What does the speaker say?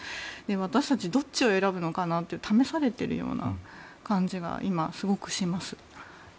私たち、どっちを選ぶのかが試されているような感じが今、すごくします。